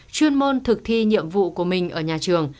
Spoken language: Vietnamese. chuyên môn thực thi nhiệm vụ của mình ở nhà trường